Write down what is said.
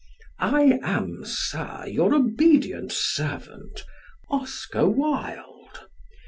I am, Sir, your obedient servant, OSCAR WILDE.